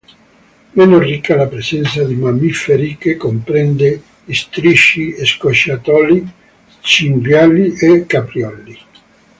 Meno ricca la presenza di mammiferi, che comprende istrici, scoiattoli, cinghiali e caprioli.